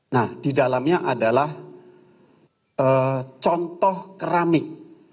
nah di dalamnya adalah contoh keramik